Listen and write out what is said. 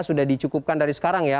sudah dicukupkan dari sekarang ya